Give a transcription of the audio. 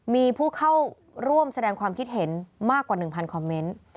มีผู้เข้าร่วมแสดงความคิดเห็นมากกว่า๑๐๐คอมเมนต์